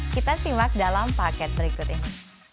kita simak dalam paket berikut ini